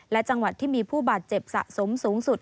และจังหวัดที่มีผู้บาดเจ็บสะสมสูงสุด